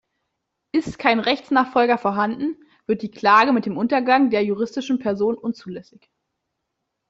Ist kein Rechtsnachfolger vorhanden, wird die Klage mit dem Untergang der juristischen Person unzulässig.